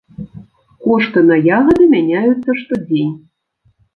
Кошты на ягады мяняюцца штодзень.